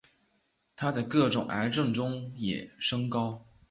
它在各种癌症中也升高。